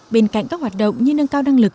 bên cạnh các hoạt động như nâng cao năng lực